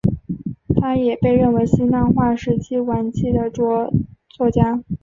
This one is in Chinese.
他也被认为是希腊化时代晚期的着作家。